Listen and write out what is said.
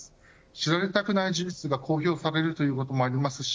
知られたくない事実が公表されるということもありますし